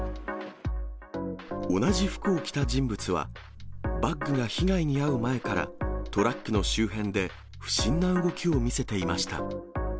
同じ服を着た人物は、バッグが被害に遭う前からトラックの周辺で不審な動きを見せていました。